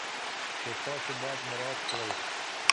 چې تاسو باید مراعات کړئ.